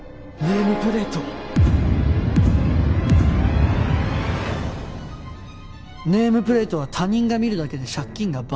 ネームプレートは他人が見るだけで借金が倍増する。